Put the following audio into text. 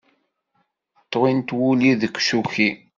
Ṭwint wulli deg usuki.